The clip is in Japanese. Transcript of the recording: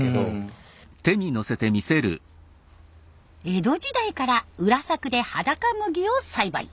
江戸時代から裏作ではだか麦を栽培。